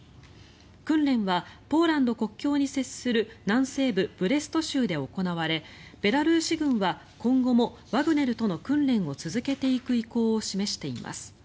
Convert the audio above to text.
訓練はポーランド国境に接する南西部ブレスト州で行われベラルーシ軍は今後もワグネルとの訓練を続けていく意向を示しています。